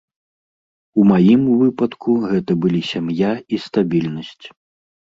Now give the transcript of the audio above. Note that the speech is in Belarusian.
У маім выпадку гэта былі сям'я і стабільнасць.